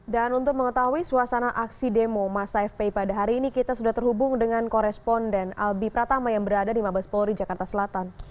dan untuk mengetahui suasana aksi demo masa fpi pada hari ini kita sudah terhubung dengan koresponden albi pratama yang berada di mabes polri jakarta selatan